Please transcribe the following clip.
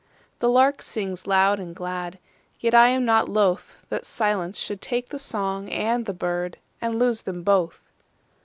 The lark sings loud and glad, Yet I am not lothThat silence should take the song and the birdAnd lose them both.